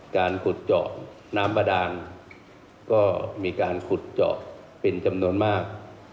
การขุดเจาะน้ำบาดานก็มีการขุดเจาะเป็นจำนวนมาก